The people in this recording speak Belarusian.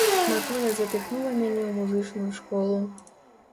Матуля запіхнула мяне ў музычную школу.